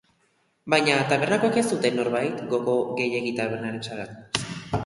Baina tabernakoek ez zuten, nonbait, gogo gehiegi tabernaren saltzeko.